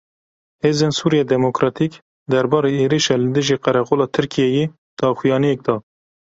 Hêzên Sûriya Demokratîk derbarê êrişa li dijî qereqola Tirkiyeyê daxuyaniyek da.